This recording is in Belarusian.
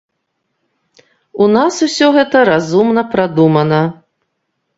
У нас усё гэта разумна прадумана.